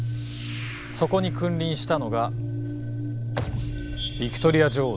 そこに君臨したのがヴィクトリア女王です。